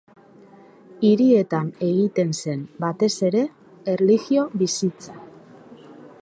Hirietan egiten zen, batez ere, erlijio bizitza.